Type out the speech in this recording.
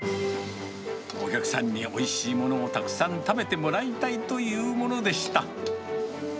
お客さんにおいしいものをたくさん食べてもらいたいというものでした。